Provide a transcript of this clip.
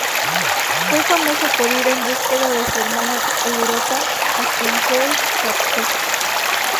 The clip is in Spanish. Fue famoso por ir en búsqueda de su hermana Europa, a quien Zeus raptó.